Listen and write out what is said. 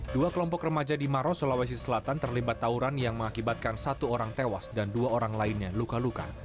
dua kelompok remaja di maros sulawesi selatan terlibat tawuran yang mengakibatkan satu orang tewas dan dua orang lainnya luka luka